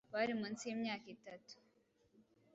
bari munsi y'imyaka itatu